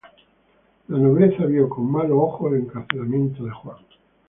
La nobleza vio con malos ojos el encarcelamiento de Juan.